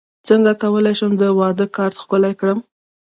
څنګه کولی شم د واده کارت ښکلی کړم